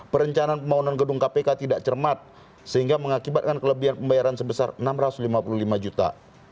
perencanaan pembangunan gedung kpk tidak cermat sehingga mengakibatkan kelebihan pembayaran sebesar rp enam ratus lima puluh lima juta